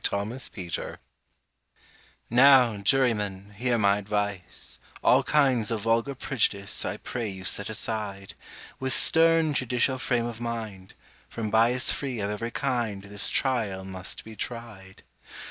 THE USHER'S CHARGE NOW, Jurymen, hear my advice— All kinds of vulgar prejudice I pray you set aside: With stern judicial frame of mind— From bias free of every kind, This trial must be tried!